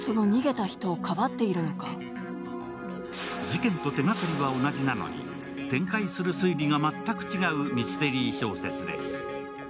事件と手がかりは同じなのに、展開する推理が全く違うミステリー小説です。